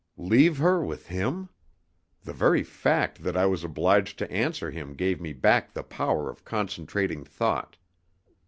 Leave her with him! The very fact that I was obliged to answer him gave me back the power of concentrating thought.